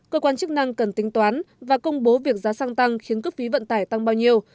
cơ quan chức năng cần tính toán và công bố việc giá xăng tăng khiến cước phí vận tải tăng bao nhiêu